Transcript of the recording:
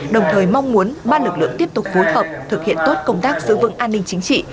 đồng thời mong muốn ba lực lượng tiếp tục phối hợp thực hiện tốt công tác giữ vững an ninh chính trị